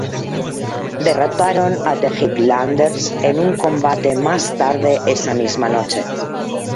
Derrotaron a The Highlanders en un combate más tarde esa misma noche.